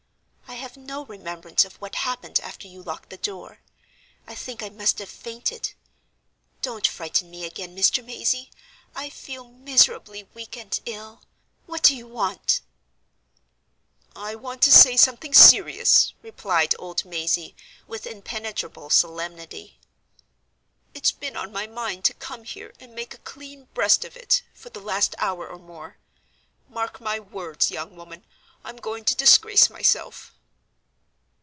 "I have no remembrance of what happened after you locked the door—I think I must have fainted. Don't frighten me again, Mr. Mazey! I feel miserably weak and ill. What do you want?" "I want to say something serious," replied old Mazey, with impenetrable solemnity. "It's been on my mind to come here and make a clean breast of it, for the last hour or more. Mark my words, young woman. I'm going to disgrace myself."